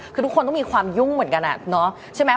คือทุกคนต้องมีความยุ่งเหมือนกันใช่ไหม